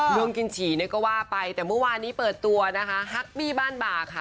เรื่องกินฉี่ก็ว่าไปแต่เมื่อวานนี้เปิดตัวฮักบี้บ้านบ่าค่ะ